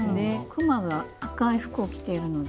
クマが赤い服を着ているので。